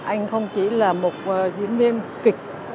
anh không chỉ là một diễn viên kịch